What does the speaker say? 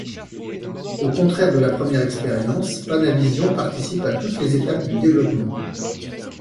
Au contraire de la première expérience, Panavision participe à toutes les étapes du développement.